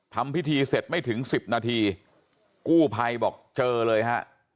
ทำพิธีเสร็จไม่ถึงสิบนาทีกู้ภัยบอกเจอเลยฮะ